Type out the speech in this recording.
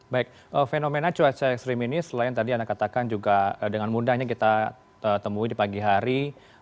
baik fenomena cuaca ekstrim ini selain tadi anda katakan juga dengan mudahnya kita temui di pagi hari